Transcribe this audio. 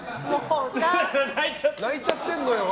泣いちゃってんのよ！